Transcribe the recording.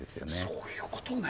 そういうことね